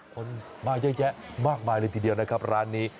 คนมาเยอะแยะมากมายเลยทีเดียวนะครับร้านนี้